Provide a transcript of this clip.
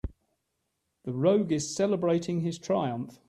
The rogue is celebrating his triumph.